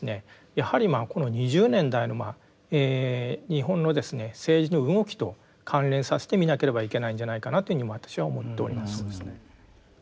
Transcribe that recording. やはりこの２０年代の日本の政治の動きと関連させて見なければいけないんじゃないかなというふうに私は思っております。